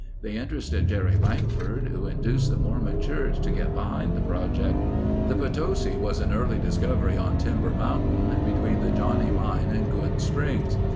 They interested Jerry Langford, who induced the Mormon Church to get behind the project. The Potosi was an early discovery on Timber Mountain between the Johnnie Mine and Good Springs.